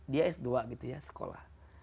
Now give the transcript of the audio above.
dia s dua sekolah